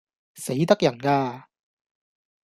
死得人架